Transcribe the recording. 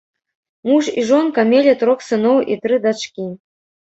Муж і жонка мелі трох сыноў і тры дачкі.